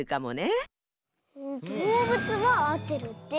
どうぶつはあってるって。